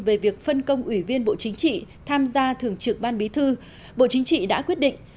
về việc phân công ủy viên bộ chính trị tham gia thường trực ban bí thư bộ chính trị đã quyết định